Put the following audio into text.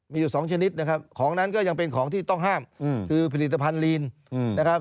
มีอยู่สองชนิดนะครับของนั้นก็ยังเป็นของที่ต้องห้ามคือผลิตภัณฑ์ลีนนะครับ